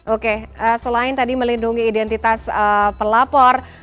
oke selain tadi melindungi identitas pelapor